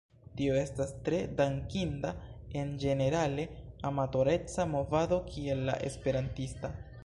Tio estas tre dankinda en ĝenerale amatoreca movado kiel la esperantista.